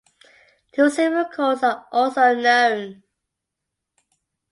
Two simple calls are also known.